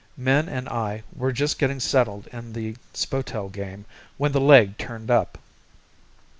Min and I were just getting settled in the spotel game when the leg turned up.